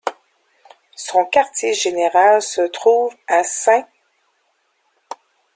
Son quartier général se trouve à St.